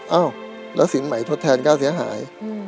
เอ้าแล้วสินใหม่ทดแทนค่าเสียหาย